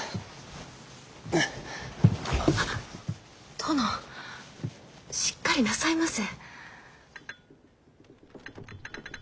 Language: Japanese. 殿しっかりなさいませ。